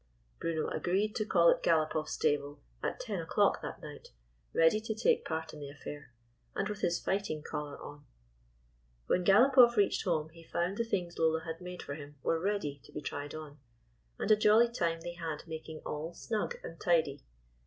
Bruno agreed to call at Galopoff's stable at ten o'clock that night, ready to take part in the affair, and with his fighting collar on. When Galopoff reached home he found the things Lola had made for him were ready to be tried on, and a jolly time they had making all snug and tidy.